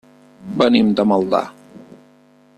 Venim de Maldà.